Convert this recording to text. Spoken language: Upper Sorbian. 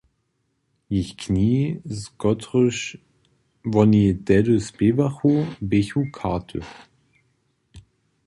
Jich knihi, z kotrychž woni tehdy spěwachu, běchu karty.